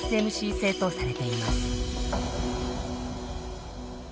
製とされています。